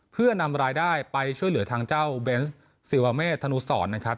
เพื่อนำรายได้ไปช่วยเหลือทางเจ้าเบนส์ศิวาเมษธนุสรนะครับ